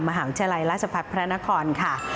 มหาวิทยาลัยราชพัฒน์พระนครค่ะ